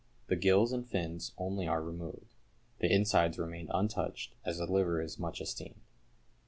The gills and fins only are removed; the inside remains untouched, as the liver is much esteemed.